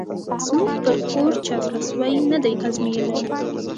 زموږ پر کور چا زړه سوی نه دی آزمییلی